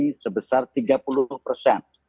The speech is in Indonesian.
dan kami sebesar tiga puluh persen